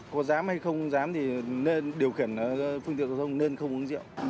có dám hay không dám thì nên điều khiển phương tiện giao thông nên không uống rượu